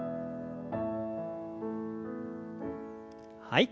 はい。